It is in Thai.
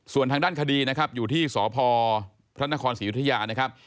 ส่วนทางด้านคดีนะครับอยู่ที่สพพระนครศรียุธยานะครับ